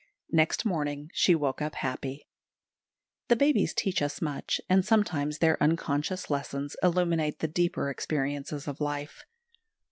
Next morning she woke happy. The babies teach us much, and sometimes their unconscious lessons illuminate the deeper experiences of life.